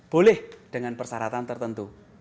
boleh dengan persyaratan tertentu